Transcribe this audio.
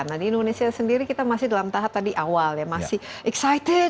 nah di indonesia sendiri kita masih dalam tahap tadi awal ya masih excited